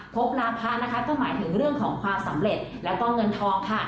พบลาพระนะคะก็หมายถึงเรื่องของความสำเร็จแล้วก็เงินทองค่ะ